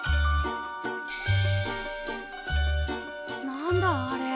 何だあれ？